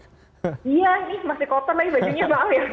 iya ini masih kotor lagi bajunya maaf ya